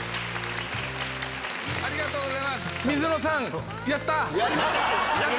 ありがとうございます！